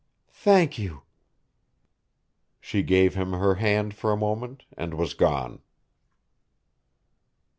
"Thank you!" She gave him her hand for a moment and was gone.